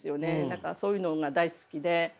何かそういうのが大好きで。